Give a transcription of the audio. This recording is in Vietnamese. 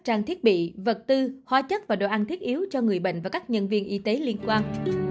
trang thiết bị vật tư hóa chất và đồ ăn thiết yếu cho người bệnh và các nhân viên y tế liên quan